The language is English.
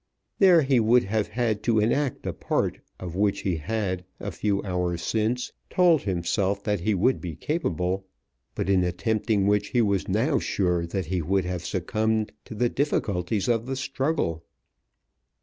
There he would have had to enact a part of which he had, a few hours since, told himself that he would be capable, but in attempting which he was now sure that he would have succumbed to the difficulties of the struggle.